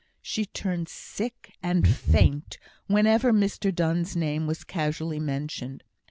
She turned sick and faint whenever Mr Donne's name was casually mentioned.